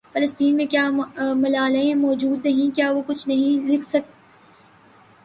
فلسطین میں کیا ملالائیں موجود نہیں کیا وہ کچھ نہیں لکھ سکتیں